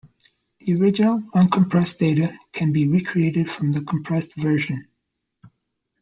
The original, uncompressed data can be recreated from the compressed version.